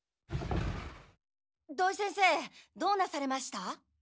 土井先生どうなされました？